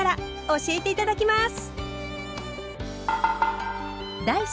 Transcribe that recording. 教えて頂きます。